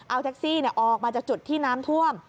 เอาแท็กซี่ออกมาจากจุดที่น้ำท่วม